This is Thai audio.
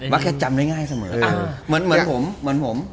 มักจะจำได้ง่ายเสมอเหมือนผม